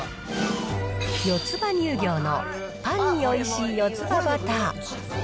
よつ葉乳業のパンにおいしいよつ葉バター。